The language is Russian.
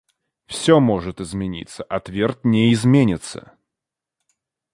Всё может измениться, а твердь не изменится.